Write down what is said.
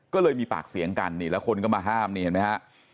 ก็เลยมีปากเสียงกันนี่แล้วคนก็มาห้ามนี่เห็นไหมฮะ